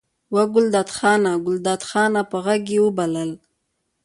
وه ګلداد خانه! ګلداد خانه! په غږ یې وبلل.